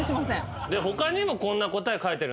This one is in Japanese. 他にもこんな答え書いてるんですよ。